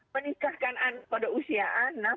penikahkan pada usia anak ini harus